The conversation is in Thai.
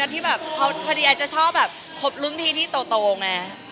ที่แบบพอดีไอจะชอบแบบคบรุ่นพี่ที่โตไง